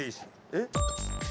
えっ。